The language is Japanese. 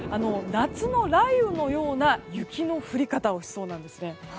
夏の雷雨のような雪の降り方をしそうなんですね。